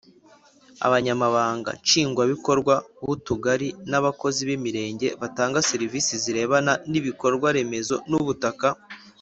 abanyamabanga nshingwabikorwa b’utugari n’abakozi b’imirenge batanga serivisi zirebana n’ibikorwa remezo n’ubutaka;